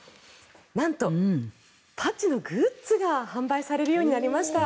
なんとパッチのグッズが販売されるようになりました。